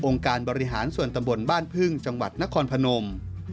การบริหารส่วนตำบลบ้านพึ่งจังหวัดนครพนม